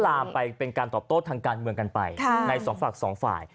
ลามไปเป็นการตอบโต้ทางการเมืองกันไปในสองฝั่งสองฝ่าย